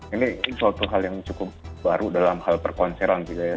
ini suatu hal yang cukup baru dalam hal perkonseran gitu ya